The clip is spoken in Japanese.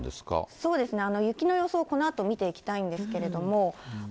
そうですね、雪の予想、このあと見ていきたいんですけれども。